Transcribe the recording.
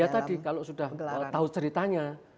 ya tadi kalau sudah tahu ceritanya